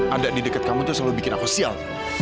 anak di dekat kamu tuh selalu bikin aku sial